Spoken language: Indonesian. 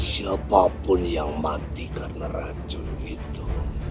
siapapun yang mati karena racun itu